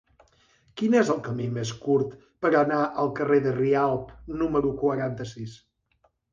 Quin és el camí més curt per anar al carrer de Rialb número quaranta-sis?